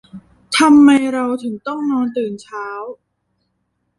ทำไมเราถึงต้องนอนตื่นเช้า